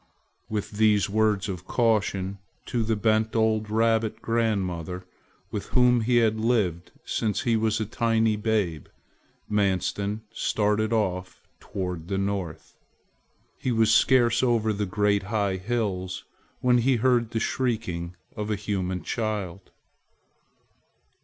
With these words of caution to the bent old rabbit grandmother with whom he had lived since he was a tiny babe, Manstin started off toward the north. He was scarce over the great high hills when he heard the shrieking of a human child.